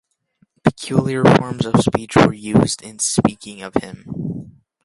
Peculiar forms of speech were used in speaking of him.